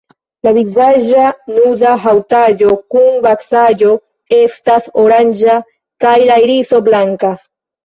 La vizaĝa nuda haŭtaĵo kun vaksaĵo estas oranĝa kaj la iriso blanka.